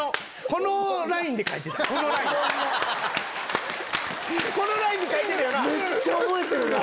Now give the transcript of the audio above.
このラインで書いてたよな？